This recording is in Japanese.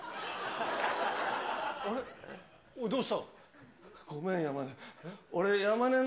どうしたの？